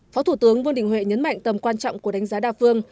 phó thủ tướng vương đình huệ nhấn mạnh tầm quan trọng của đánh giá đa phương